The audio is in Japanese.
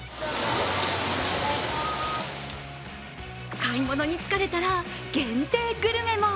買い物に疲れたら、限定グルメも。